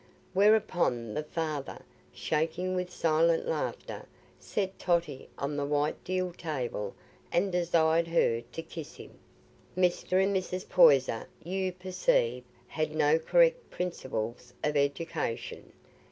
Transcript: Whereupon the father, shaking with silent laughter, set Totty on the white deal table and desired her to kiss him. Mr. and Mrs. Poyser, you perceive, had no correct principles of education.